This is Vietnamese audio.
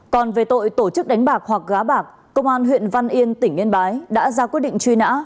còn về tội tổ chức đánh bạc hoặc gá bạc công an huyện văn yên tỉnh yên bái đã ra quyết định truy nã